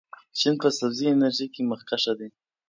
چین په سبزې انرژۍ کې مخکښ دی.